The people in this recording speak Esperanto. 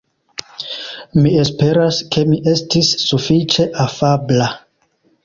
Mi esperas ke mi estis sufiĉe afabla.